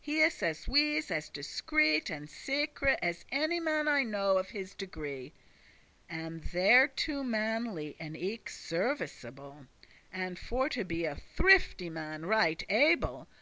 He is as wise, as discreet, and secre',* *secret, trusty As any man I know of his degree, And thereto manly and eke serviceble, And for to be a thrifty man right able.